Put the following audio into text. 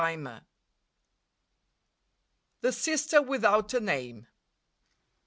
59 6o THE SISTER WITHOUT A NAME.